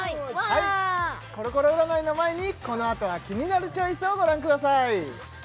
はいコロコロ占いの前にこのあとはキニナルチョイスをご覧ください